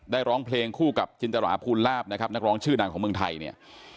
ร้องเพลงคู่กับจินตราภูลาภนะครับนักร้องชื่อดังของเมืองไทยเนี่ย